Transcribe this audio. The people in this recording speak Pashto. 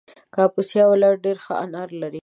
کاپیسا ولایت ډېر ښه انار لري